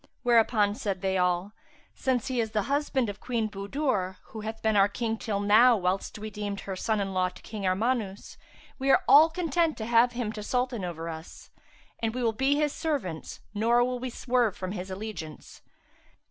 Whereupon said they all, "Since he is the husband of Queen Budur, who hath been our King till now, whilst we deemed her son in law to King Armanus, we are all content to have him to Sultan over us; and we will be his servants, nor will we swerve from his allegiance."